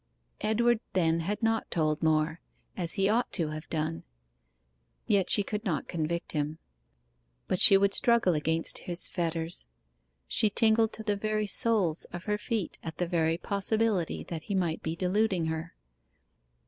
Edward then had not told more as he ought to have done: yet she could not convict him. But she would struggle against his fetters. She tingled to the very soles of her feet at the very possibility that he might be deluding her.